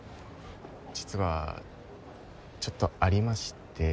実はちょっとありまして。